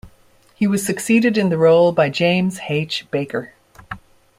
He was succeeded in the role by James H. Baker.